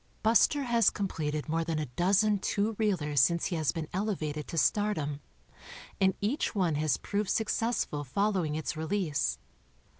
Buster has completed more than a dozen two reelers since he has been ele vated to stardom, and each one has proved successful following its release.